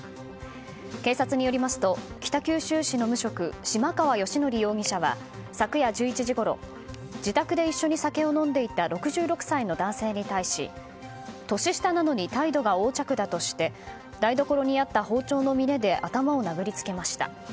警察によりますと北九州市の無職嶋川好則容疑者は昨夜１１時ごろ自宅で一緒に酒を飲んでいた６６歳の男性に対し年下なのに態度が横着だとして台所にあった包丁の峰で頭を殴りつけました。